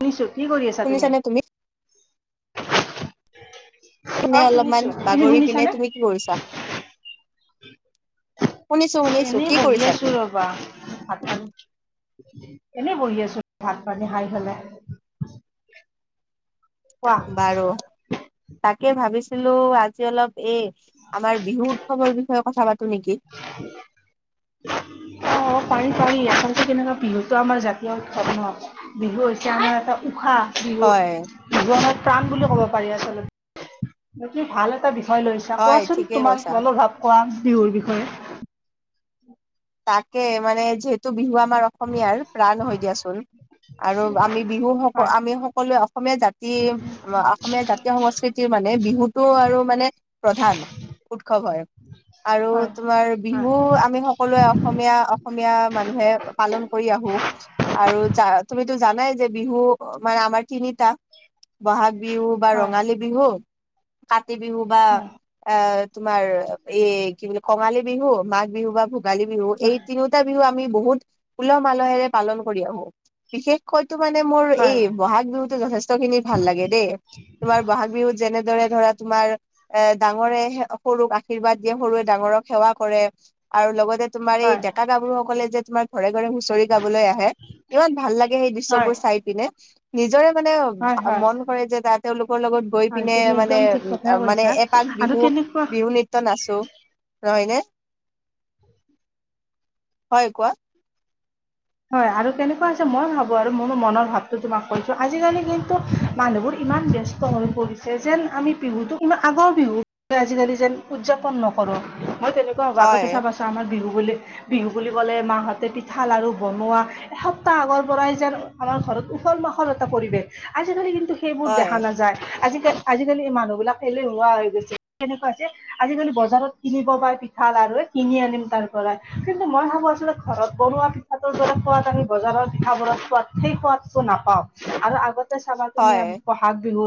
শুনিছো, কি কৰি আছা তুমি? অ এনে অলপমান শুনিছো, তুমি বাগৰি পিনে শুনিছানে? তুমি কি কৰিছা? শুনিছো শুনিছো এনেই কি বহি কৰিছা আছো তুমি? ৰবা, ভাত [inaudible] এনেই বহি আছো ভাত পানী খাই পেলাই। কোৱা। বাৰু তাকে ভাবিছিলো আজি অলপ এ আমাৰ বিহু উৎসৱৰ বিষয়ে কথা পাতো। নেকি? ত আচলতে কেনেকুৱা বিহুটো আমাৰ জাতীয় উৎসৱ ন বিহু হৈছে আমাৰ এটা উশাহ। বিহু হয় বিহু আমাৰ প্ৰাণ বুলি ক'ব পাৰি আচলতে কি ভাল এটা ভয় লৈছা হয় কোৱাচোন ঠিকেই তোমাক কৈছা। অলপ ভাৱ কোৱা বিহুৰ বিষয়ে? [inaudible] তাকে মানে যিহেতু বিহু আমাৰ অসমীয়াৰ প্ৰাণ হয় দিয়াচোন। আৰু আমি বিহু সক হয়। আমি সকলোৱে অসমীয়া জাতি অসমীয়া জাতীয় সংস্কৃতিৰ মান মানে বিহুতটো আৰু মানে প্ৰধান উৎসৱ হয় আৰু হয় তোমাৰ হয় বিহু আমি সকলোৱে অসমীয়া অসমীয়া মানুহে পালন কৰি আহো, আৰু য তুমিতো জানাই যে বিহু মানে আমাৰ তিনিটা ব'হাগ বিহু বা হয় ৰঙালী বিহু কাতি বিহু বা হয় অ তোমাৰ এই কি বুলি কঙালী বিহু মাঘ বিহু বা ভো ভোগালী বিহু এই হয় তিনিওটা বিহু আমি বহুত উলহ মালহেৰে পালন কৰি আহো, বিশেষকৈ ইটো মানে মোৰ এই হয় ব'হাগ বিহুতো যথেষ্ট খিনি ভাল লাগে দেই তোমাৰ ব'হাগ বিহুত যেনে দৰে ধৰা তোমাৰ এ ডাঙৰে সৰুক আশীৰ্বাদ দিয়ে সৰুৱে ডাঙৰক সেৱা কৰে। আৰু লগতে তোমাৰ এই হয় ডেকা গাভৰুসকলে যে তোমাৰ ঘৰে হুচৰি গাবলৈ আহে ইমান ভাল লাগে সেই হয় দৃশ্যবোৰ চাই পিনে নিজৰে মানে হয় ভ হয় মন কৰে যে ত তেওঁলোক, লগত গৈ হয় পিনে তুমি মানে একদম ঠিক কথাই মানে কৈছা এপাক আৰু বিহু কেনেকুৱা বিহু নিত্য নাচো হয়নে, হয় কোৱা? হয় আৰু কেনেকুৱা আছে মই ভাবো আৰু মোৰ মনৰ ভাৱটো তোমাক কৈছোঁ আজিকালি কিন্তু মানুহবোৰ, ইমান ব্যস্ত হৈ পৰিছে যেন আমি বিহুটো কোনো আগৰ বিহু আজিকালি যেন উদযাপন নকৰো। মই তেনেকুৱা ভাবোঁ, হয় আগতে চাবাচোন আমাৰ বিহু বুলি বিহু বুলি ক'লে মাহঁতে পিঠা লাডু বনোৱা এসপ্তাহ আগৰ পৰাই যেন আমাৰ ঘৰত উখল মাখল এটা পৰিৱেশ। আজিকালি কিন্তু সেইবোৰ দেখা হয় নাযায়, আজি আজিকালি এই মানুহ বিলাক এলেহুৱা হৈ গৈছে, সেনেুকুৱা আছে আজিকালি বজাৰত কিনিব পাই পিঠা লা, ডু কিনি আনিম তাৰ পৰাই, কিন্তু মই ভাবো আছিলো ঘৰত বনোৱা পিঠাটোৰ দৰে সোৱাদ আমি বজাৰৰ পিঠা বোৰৰ সোৱাদ সেই সোৱাদটো নাপাওঁ, আৰু আগতে চাবা তুমি হয় ব'হাগ বিহু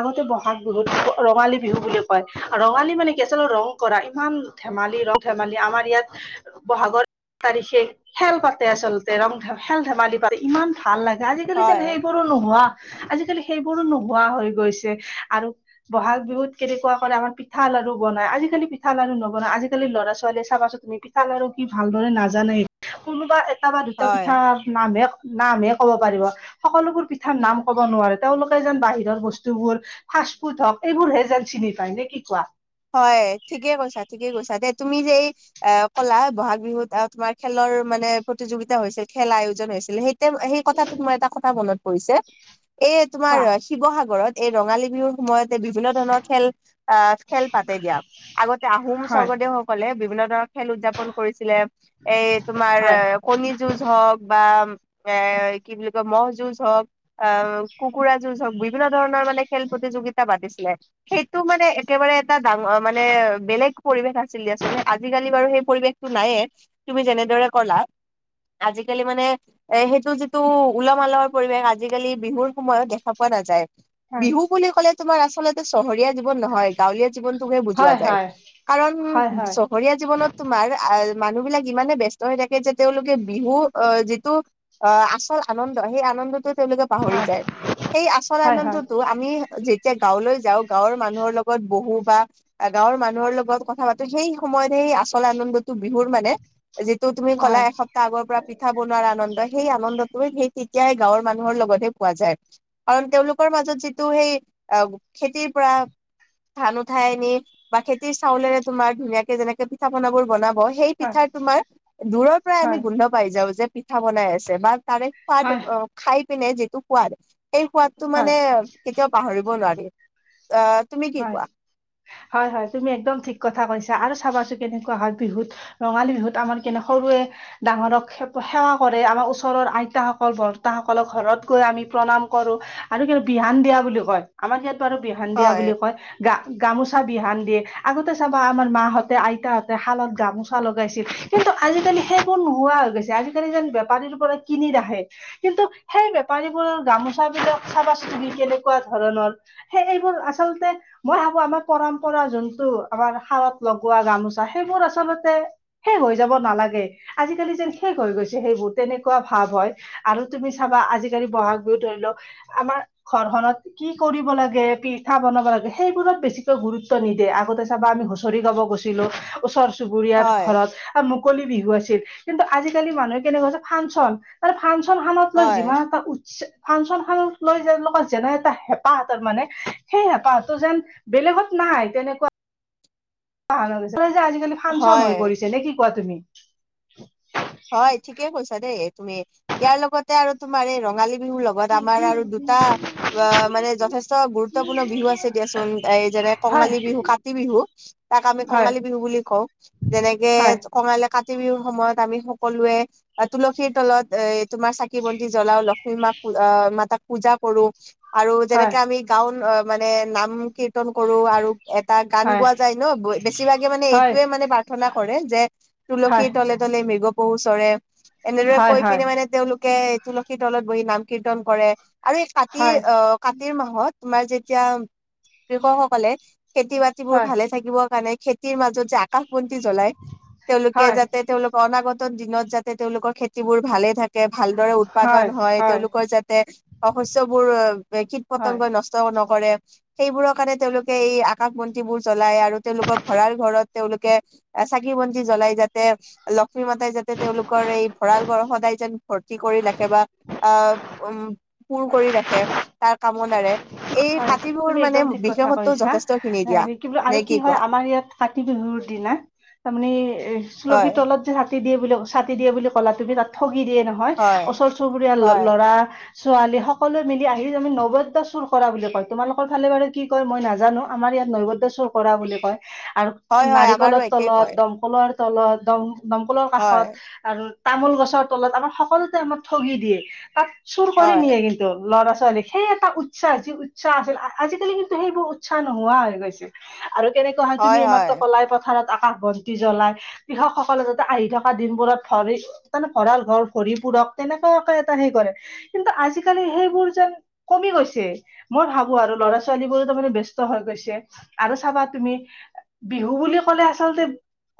আগতে ব'হাগ বিহুত ৰঙালী বিহু বুলি কয়, ৰঙালী মানে কি আচল ৰং কৰা ইমান ধেমালি ৰং ধেমালি আমাৰ ইয়াত বহাগৰ তাৰিখে খেল পাত তে আচলতে ৰং ধেমা--খেল ধেমালি পাতে ইমান ভাল লাগে আজিকালি যেন হয় সেইবোৰো নোহোৱা আজিকালি সেইবোৰো নোহোৱা হৈ গৈছে আৰু ব'হাগ বিহুত কেনেকুৱা কৰে আমাৰ পিঠা লাৰু বনাই আজিকালি পিঠা লাৰু নবনাই আজিকালি লৰা -ছোৱালীয়ে চাবাচোন তুমি পিঠা লাৰু কি ভালদৰে নাজানেই কোনোবা এটা বা দুটা হয় পিঠা নামহে নামহে ক'ব পাৰিব সকলোবোৰ পিঠাৰ নাম ক'ব নোৱাৰে তেওঁলোকে যেন বাহিৰৰ বস্তুবোৰ--হা ফাষ্ট ফুড হওঁক এইবোৰ হে যেন চিনি পায়, নে কি কোৱা? হয় ঠিকে কৈছা ঠিকে কৈছা দে তুমি যে অ কলা ব'হাগ বিহুত আহ তোমাৰ খেলৰ মানে প্ৰতিযোগিতা হৈছিল খেল আয়োজন হৈছিলে সেই তে সেই কথাটোত মই এটা কথা মনত পৰিছে এই তোমাৰ কোৱা শিৱসাগৰত এই ৰঙালী বিহুৰ সময়তে বিভিন্ন ধৰণৰ খেল, আহ খেল পাতে দিয়া আগতে আহোম হয় স্বৰ্গদেউসকলে বিভিন্ন, ধৰণৰ খেল উদযাপন কৰিছিলে এই তোমাৰ হয় কণী যুজ হওঁক বা, এ কি বুলি কয় ম'হ যুজ হওঁক অ কুকুৰা, বিভিন্ন ধৰণৰ মানে খেল প্ৰতিযোগিতা পাতিছিলে সেইটো মানে একেবাৰে এটা ডাঙৰ মানে বেলেগ পৰিৱেশ আছিল দিয়াচোন আজিকালি বাৰু সেই পৰিৱেশটো নাইয়ে, তুমি যেনেদৰে ক'লা, আজিকালি মানে এ সেইটো যিটো উলহ মালহৰ পৰিৱেশ আজিকালি বিহুৰ সময়ত দেখা পোৱা নাযায়। হয় বিহু বুলি ক'লে তোমাৰ আচলতে চহৰীয়া জীৱন নহয় গাঁৱলীয়া, জীৱনটো হে বুজোৱা হয় যায়, হয় কাৰণ হয় হয় চহৰীয়া জীৱনত তোমাৰ আৰ মানুহ বিলাক ইমানে ব্যস্ত হৈ থাকে যে তেওঁলোকে বিহু অহ যিটো অ আচল আনন্দ সেই আনন্দটোত তেওঁলোকে পাহৰি যায় সেই আচল আনন্দতো আমি যেতিয়া গাঁৱলৈ যাওঁ গাঁৱৰ মানুহৰ লগত, লগত বহো বা গাঁৱৰ মানুহৰ লগত কথা পাতো সেই সময়ত সেই আচল আনন্দটো বিহুৰ মানে, যিটো তুমি ক'লা এসপ্তাহ আগৰ পৰা পিঠা বনোৱাৰ আনন্দ, সেই আনন্দটোৱে সেই তেতিয়াই গাঁৱৰ মানুহৰ লগতহে পোৱা যায়, কাৰণ তেওঁলোকৰ মাজত যিটো সেই আহ খেতিৰ পৰা ধান উঠাই আনি বা খেতিৰ চাউলেৰে তোমাৰ ধুনীয়াকে যেনেকে পিঠা পনা বোৰ বনাব সেই পিঠা তোমাৰ দূৰৰ পৰাই আমি গোন্ধ পাই যাওঁ যে পিঠা বনাই আছে বা তাৰে সোৱাদ অ খাই পিনে যিটো সোৱাদ এই সোৱাদটো মানে কেতিয়াও পাহৰিব নোৱাৰি আ তুমি কি? কোৱা? হয় হয় তুমি একদম ঠিক কথা কৈছা। আৰু চাবাচো কেনেকুৱা হয় বিহুত ৰঙালী বিহুত আমাৰ কেনে সৰুৱে ডাঙৰক সেৱা কৰে। আমাৰ ওচৰৰ আইতাসকল বৰ্তাসকলক ঘৰত গৈ আমি প্ৰণাম কৰো। আৰু কি বিহান দিয়া বুলি কয় আমাক ইয়াত বাৰু বিহান দিয়া হয় বুলি কয় গা গামোচাত বিহান দিয়ে আগতে চাবা আমাৰ মাহঁতে আইতাহঁতে শালত গামোচা লগাইছিল কিন্তু, আজিকালি সেইবোৰ নোহোৱা হৈ গৈছে আজিকালি যেন বেপাৰীৰ পৰা কিনি ৰাখে কিন্তু, সেই বেপাৰীবোৰৰ গামোচা তাভিত চাবা চুন কেনেকুৱা ধৰণৰ সেই এইবোৰ আচলতে মই ভাবো আমাৰ পৰম্পৰা। যোনটো আমাৰ হালত লগোৱা গামোচা সেইবোৰ আচলতে শেষ হৈ যাব নালাগে। আজিকালি যেন শেষ হৈ গৈছে সেইবোৰ তেনেকুৱা ভাৱ হয় আৰু তুমি চাবা আজিকালি বহাগ বিহু ধৰি লওক আমাৰ ঘৰখননত কি কৰিব লাগে পিঠা বনাব লাগে সেইবোৰত বেছিকৈ গুৰুত্ব নিদিয়ে। দে আগতে চাবা আমি হুচৰি গাব গৈছিলো ওচৰ চু চুবুৰীয়াত হয় ঘৰত মুকলি বিহু আছিল কিন্তু আজি কালি মানুহে কেনে কৈছো ফানচন মানে ফানচন হানত মানে হয় যিমান এটা উৎচে ফানচন লৈ তেলোকৰ যেনে এটা হেঁপাহ আছে মানে সেই হেঁপাহতটো যেন বেলেগত নাই তেন নেকুৱা। যে আজিকালি ফানচন হৈ হয়। পৰিছে নে কি কোৱা তুমি? হয় ঠিকে কৈছা দেই তুমি ইয়াৰ লগতে আৰু তোমাৰ এই ৰঙালী বিহুৰ লগত আমাৰ আৰু দুটা অ মানে যথেষ্ট গুৰুত্বপূৰ্ণ বিহু আছে দিয়াচোন এই হয় কঙালী বিহু কাতি বিহু তাক আমি হয় কঙালী বিহু বুলি কঁও যেনেকে হয় কঙালী কা টি বিহুৰ সময়ত আমি সক সকলোৱে তুলসীৰ তলত এ তোমাৰ চাকি বন্তি জ্বলাও লক্ষ্মী মাক অ মাতাক পূজা কৰো আৰু হয় যেনেকে আমি গাওন অ মানে নাম কিৰ তন কৰো আৰু এটা গান গোৱা যায় ন বেছিভাগে মানে হয় এইটোয়ে মানে প্ৰাৰ্থনা কৰে যে, হয় হয় তুলসীৰ তলে তলে মিগ পহু চৰে এনেদৰে হয় কৈ পিনে মানে তেওঁলোকে তুলসীৰ তলত বহি নাম কীৰ্তন কৰে। আৰু এই কাতিৰ হয় অ কাতিৰ মাহত তোমাৰ যেতিয়া কৃষক সকলে খেতি বাতিবোৰ হয় ভালে থাকিবৰ কাৰণে খেতিৰ মাজত যে আকাশ বন্তি জ্বলাই তেওঁলোকে হয় যাতে তেওঁলোকৰ অনাগত দিনত যাতে তেওঁলোকৰ খেতিবোৰ ভালে থাকে, ভালদৰে উৎপাদন হয়, তেওঁলোকৰ যাতে শশশ্যবোৰ কীট হয় পতংগই নষ্ট নক কৰে সেইবোৰৰ কাৰণে তেওঁলোকে এই আকাশ বন্তিবোৰ জ্বলাই আৰু তেওঁলোকৰ ভৰাৰ ঘৰত তেওঁলোকে চাকি বন্তি জ্বলাই যাতে ল সদায় যাতে তেওঁলোকৰ এই ভঁৰাল গ় সদায় যেন ভৰ্তি কৰি ৰাখে বা আহ উম! পুৰ কৰি ৰাখে তাৰ কামনাৰে এই হয় কাতি তুমি বিহুৰ মানে একদম ঠিক কথা বিশেষত্বো কৈছা যথেষ্ট খিনি দিয়া কি বোলো নে আৰু কি হয় কোৱা আমাৰ ইয়াত কাতি বিহুৰ দিনা তাৰমানে এ তুলহী হয় তলত যে চাতি দিয়ে বুলি কলা তুমি তাত ঠগি দিয়ে নহয় হয় ওচৰ চুবুৰীয়া হয় ল'ৰা ছোৱালী সকলোৱে মিলি আহি আমি নৱদ্য চুৰ কৰা বুলি কয়। তোমালোকৰ ফালে বাৰু কি কয় মই নাজানো আমাৰ ইয়া নৈবদ্য চুৰ কৰা বুলি কয় আৰু হয় হয় আমাৰো নাৰিকলৰ একে তলত কয় দমকলৰ তলত দম দমকলৰ হয় কাষত আৰু তামোল গছৰ তলত আমাৰ সকলোতে আমাৰ ঠগি দিয়ে। তাত চুৰ কৰি হয় নিয়ে কিন্তু ল'ৰা ছোৱালী সেই এটা উৎসাহ যি উচসাহ আছিল আজিকালি কিন্তু সেইবোৰ উৎসাহ নোহোৱা হৈ গৈছিল। আৰু কেনেকুৱা হয় তুমি এইমাত্ৰ কলাই পথাৰত। আকাশ বন্তি জ্বলাই কৃষকসকলে যাতে আহি থকা দিনবোৰত ভৰি তে ভঁৰাল ঘৰ ভৰি পৰে। পূৰক তেনেকুৱাকে এটা সেই কৰে। কিন্তু আজিকালি সেইবোৰ যেন কমি গৈছে মই ভাবো আৰু ল'ৰা ছোৱালী বোৰো তাৰ মানে ব্যস্ত হৈ গৈছে। আৰু চাবা তুমি বিহু বুলি ক'লে আচলতে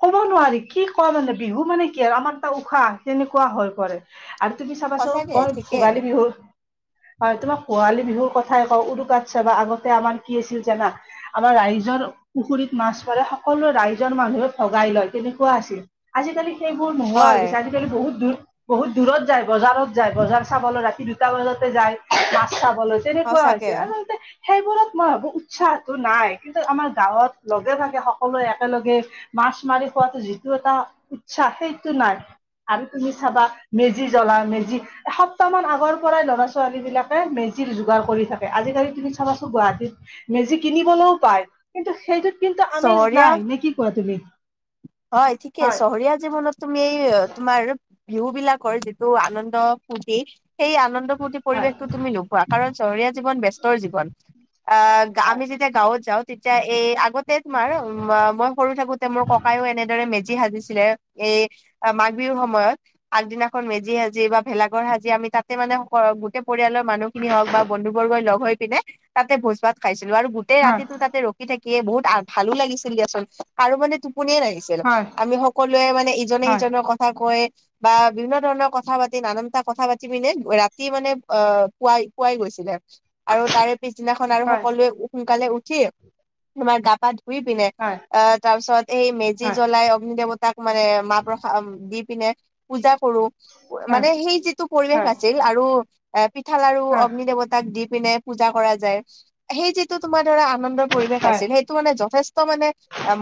ক'ব নোৱাৰি কি কও মানে বিহু মানে কি আৰু আমাৰ এটা উশাহ তেনেকুৱা হৈ পৰে। আৰু তুমি চাবাচোন সঁচাকে কন ঠিকে ভোগালী বিহুৰ হয়, তোমাক পোৱালী বিহুৰ কথাই কওঁ উৰুকাত চাবা আগতে আমাৰ কি আছিল জানা আমাৰ ৰাইজ ৰৰ পুখুৰীত মাছ পাৰে সকলোৱে ৰাইজৰ মাজত ভগাই লয় তেনেকুৱা আছিল। আজিকালি! সেইবোৰ নোহোৱা হৈ হয় গৈছে, আজিকালি বহুত দূৰ বহুত দূৰত যায় বজাৰত যায় বজাৰ। চাবলৈ ৰাতি দুটা বজাতে যায় মাছ চাবলৈ, তেনেকুৱা সঁচাকে হৈছে আচলতে। সেইবোৰত মই ভাবো উৎসাহটো নাই, কিন্তু আমাৰ গাঁৱত লগে-ভাগে সকলোৱে একেলগে। মাছ মাৰি খোৱাটো যিটো এটা উৎসাহ সেইটো নাই, আৰু তুমি চাবা মেজি জ্বলা। মেজি। এসপ্তাহমান আগৰ পৰাই ল'ৰা ছোৱালীবিলাকে মেজিৰ যোগাৰ কৰি থাকে, আজিকালি তুমি চাবাচোঁ গুৱাহাটীত মেজি কিনিবলৈও পায়, কিন্তু সেইটোত কিন্তু আমেজ চহৰীয়া নাই নে কি কোৱা তুমি? হয় ঠিকে চহৰীয়া জীৱনত তুমি এই তোমাৰ বিহু বিলাকৰ যিটো আনন্দ ফূৰ্তি সেই আনন্দ ফূৰ্তি হয় পৰিবেশ টো তুমি নোপোৱা, কাৰণ চহৰীয়া জীৱন বেস্ত ৰ জীৱন, আহ আমি যেতিয়া গাঁৱত যাওঁ তেতিয়া এই আগত তোমাৰ মই সৰু থাকোতে মোৰ ক এনেদৰে মেজি সাজিছিলে, এই মাঘ বিহুৰ সময়ত আগদিনাখন মেজি সাজি বা ভেলাঘৰ আজি আমি তাতে মানে গোটেই পৰিয়ালৰ মানুহ খিনি হওক বা বন্ধু বৰ্গই লগ হৈ পিনে, তাতে ভোজ ভাত খাইছো। আৰু গোটেই হয় ৰাতিটো তাতে ৰখি থাকিয়ে বহুত ভালো লাগিছিল দিয়াচোন, আৰু মানে তুপনিয়ে নাহিছিল। হয় আমি সকলোৱে মানে ইজনে হয় সিজনৰ কথা কয় বা বিভিন্ন ধৰণৰ কথা পাতি নানানটা কথা পাতি পিনে ৰাতি মানে অ পুৱাই পোৱাই গৈছিলে। আৰু তাৰে পিছদিনাখন আৰু হয় সকলোৱে সোনকালে উঠি তোমাৰ গা পা ধুই পিনে হয় অ তাৰ পিছত এই মেজি হয় জ্বলাই অগ্নি দেৱতাক মানে মাহ প্ৰসাদ দি পিনে পূজা কৰো, হয় মানে সেই যিটো পৰিৱেশ হয় আছিল আৰু এ পিঠা, লৰু হয় হয় অগ্নি দেৱতাক দি পিনে পূজা কৰা যায়। সেই যিটো তোমাৰ ধৰা আনন্দৰ পৰিৱেশ হয় আছিল, সেইটো মানে যথেষ্ট মানে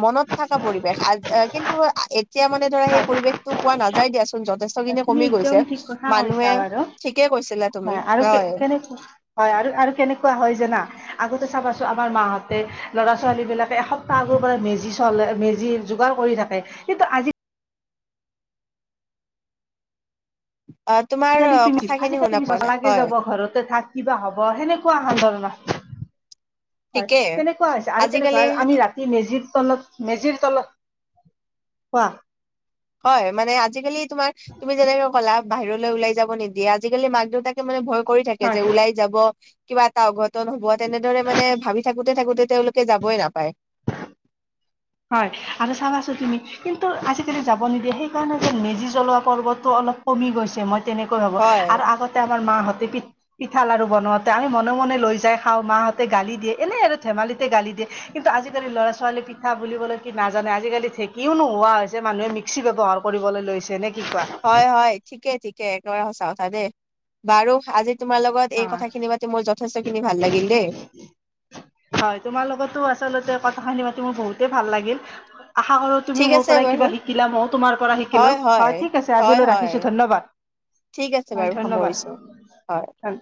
মনত থকা পৰিৱেশ আ কিন্তু এতিয়া মানে ধৰা সেই পৰিৱেশ টো পোৱা নাযায় দিয়া চ। যথেষ্টখিনি তুমি কমি একদম গৈছে, ঠিক কথা কৈছা মানুহে বাৰু ঠিকে কৈছিলা তুমি আৰু কে হয় কেনেকুৱা হয় আৰু আৰু কেনেকুৱা হয় জানা, আগতে। খা পাছোঁ আমাৰ মাহঁতে ল'ৰা-ছোৱালী বিলাকে এসপ্তাহ আগৰ পৰা মেজি চলে মেজি যোগাৰ কৰি থাকে। কিন্তু আজি। অ তোমাৰ আজিকালি অ তুমি কথাখিনি আজিকালি শুনা তুমি পোৱা সচাকে নাই নালাগে হয় যাব ঘৰতে থাক কিবা হ'ব সেনেকুৱা স ধৰণৰ। হয় ঠিকেই কেনেকুৱা হৈছে, আৰু আজিকালি কেনেকুৱা আৰু আমি ৰাতি মেজিত। তলত মেজিৰ তলত, কোৱা। হয় মানে আজিকালি তোমাৰ তুমি যেনেকে ক'লা-। বাহিৰলৈ ওলাই যাব নিদিয়ে, আজিকালি মাক দেউতাকে মানে ভয় কৰি থাকে, যে হয় ওলাই যাব কিবা এটা অঘট। তন হ'ব তেনেদৰে মানে ভাবি থাকোতে থাকোতে তেওঁলোকে যাবই নাপায়। হয়, আৰু চাবাছো তুমি কিন্তু আজিকালি যাব নিদিয়ে সেইকাৰণে যে মেজি জ্বলোৱা পৰ্ব টো। অলপ কমি গৈছে মই তেনেকৈ ভাবো, হয় আৰু আগতে। মাহঁতে পি পিঠা লাৰু বনওঁতে আমি মনে মনে লৈ যাই খাওঁ, মাহঁতে গালি দিয়ে এনে আৰু ধেমালি। গালি দিয়ে, কিন্তু আজিকালি ল'ৰা-ছোৱালী। ঠা বুলিবলৈ কি নাজানে আজিকালি ঢেকিও নোহোৱা হৈছে মানুহে মিক্সি ব্যৱহাৰ কৰিবলৈ লৈছে, নে। কি কোৱা হয় হয় ঠিকে ঠিকে একেবাৰে সচা কথা দেই, বাৰু আজি। তোমাৰ লগত অ এই কথাখিনি পাতি মোৰ যথেষ্ট খিনি ভাল লাগিল দেই। হয়, তোমাৰ লগতো আচলতে কথা খিনি পাতি মোৰ বহুতেই ভাল লাগিল। আশা কৰো তুমি ঠিক মোৰ আছে পৰাই বাৰু কিবা শিকিলা, ময়ো তোমাৰ পৰা শিকিলো, হয় ঠিক আছে হয় আজিলৈ হয় ৰাখিছো ধন্যবাদ। ঠিক আছে হয় বাৰু সামৰিছো হয় ধন্যবাদ।